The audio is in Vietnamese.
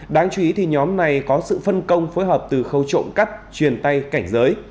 đáng chú ý thì nhóm này có sự phân công phối hợp từ khâu trộm cắp truyền tay cảnh giới